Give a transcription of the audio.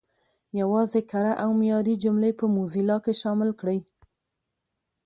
یوازې کره او معیاري جملې په موزیلا کې شامل کړئ.